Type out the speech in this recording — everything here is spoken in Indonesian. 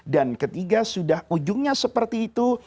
dan ketiga sudah ujungnya seperti itu